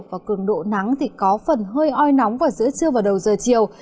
và cường độ nắng thì có phần hơi oi nóng vào giữa trưa và đầu giờ chiều